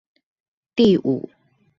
第五